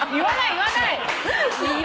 言わないよ。